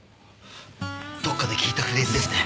どっかで聞いたフレーズですね。